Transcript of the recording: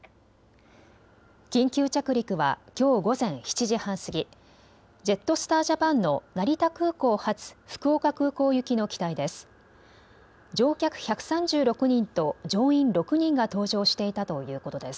緊急着陸はきょう午前７時半過ぎ、ジェットスター・ジャパンの成田空港発、福岡空港行きの機体です。